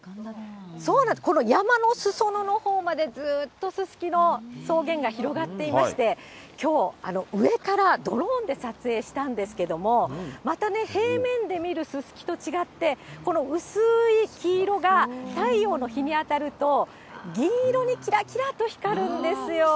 そうなんです、山のすそ野のほうまでずっとすすきの草原が広がっていまして、きょう、上からドローンで撮影したんですけれども、またね、平面で見るすすきと違って、この薄ーい黄色が太陽の日に当たると、銀色にきらきらと光るんですよ。